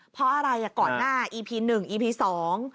เพราะอะไรอ่ะก่อนหน้าอีพีหนึ่งอีพีสอง